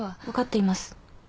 分かっています。